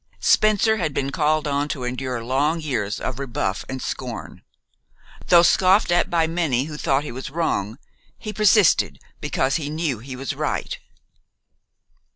Spencer had been called on to endure long years of rebuff and scorn. Though scoffed at by many who thought he was wrong, he persisted because he knew he was right.